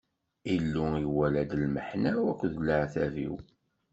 Illu iwala-d lmeḥna-w akked leɛtab-iw.